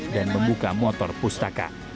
dan membuka motor pustaka